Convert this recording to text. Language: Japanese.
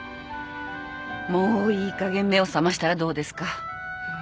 もういいかげん目を覚ましたらどうですか？